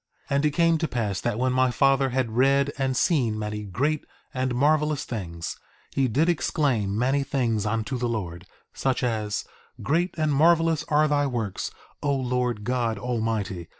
1:14 And it came to pass that when my father had read and seen many great and marvelous things, he did exclaim many things unto the Lord; such as: Great and marvelous are thy works, O Lord God Almighty!